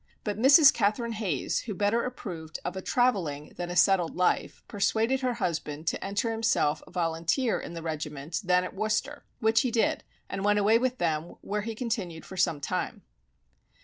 But Mrs. Catherine Hayes, who better approved of a travelling than a settled life, persuaded her husband to enter himself a volunteer in a regiment then at Worcester, which he did, and went away with them, where he continued for some time.